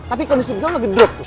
tapi kondisi bukalau lebih drop